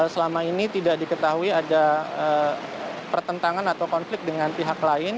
selama ini tidak diketahui ada pertentangan atau konflik dengan pihak lain